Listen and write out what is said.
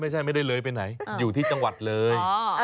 ไม่ได้เลยไปไหนอยู่ที่จังหวัดเลย